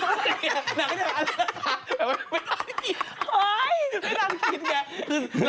ไม่นานคิดแก